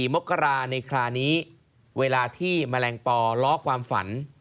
มกราในคราวนี้เวลาที่แมลงปอล้อความฝัน